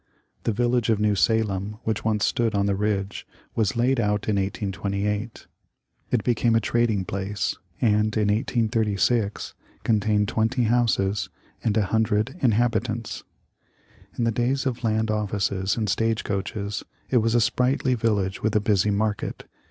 The village of New Salem, which once stood on the ridge, was laid out in 1828 ; it became a trading place, and in 1836 contained twenty houses and a hundred inhabitants. In the days of land offices and stage coaches it was a sprightly village with a busy market.